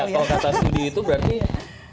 kata studi itu berarti ya